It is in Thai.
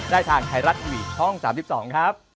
ได้ทางไทยรัฐวียนต์ช่อง๓๒ครับ